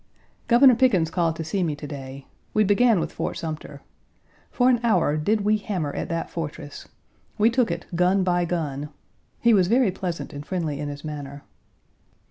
Governor Pickens called to see me to day. We began with Fort Sumter. For an hour did we hammer at that fortress. We took it, gun by gun. He was very pleasant and friendly in his manner.